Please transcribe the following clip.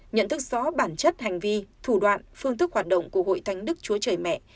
nhận thức rõ bản chất hành vi thủ đoạn phương thức hoạt động của hội thánh đức chúa trời mẹ